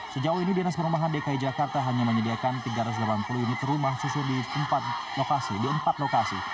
sejauh ini dinas perumahan dki jakarta hanya menyediakan tiga ratus delapan puluh unit rumah susun di empat lokasi